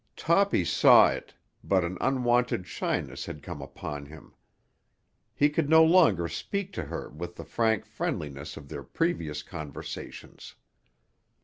Toppy saw it, but an unwonted shyness had come upon him. He could no longer speak to her with the frank friendliness of their previous conversations.